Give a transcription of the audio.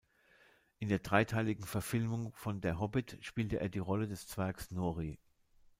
In der dreiteiligen "Verfilmung" von "Der Hobbit" spielte er die Rolle des Zwergs "Nori".